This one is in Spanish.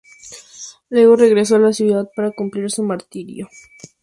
Luego regresó a la ciudad para cumplir su martirio.